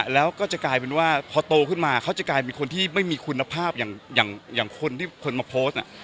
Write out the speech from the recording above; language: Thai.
แล้วก็จะกลายเป็นว่าพอโตขึ้นมาเขาจะกลายเป็นคนที่ไม่มีคุณภาพอย่างคนที่คนมาโพสต์